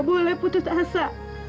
mas jangan putus asa